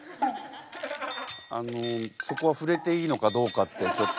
あのそこは触れていいのかどうかってちょっと。